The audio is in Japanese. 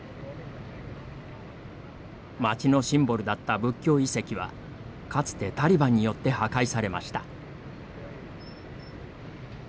町のシンボルだった仏教遺跡はかつてタリバンによって破壊されました。